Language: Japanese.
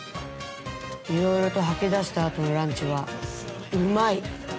いろいろと吐き出した後のランチはうまい！